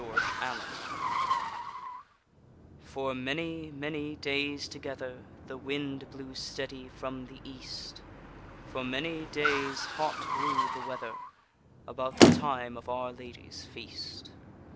RIDING TOGETHER For many, many days together The wind blew steady from the East; For many days hot grew the weather, About the time of our Lady's Feast.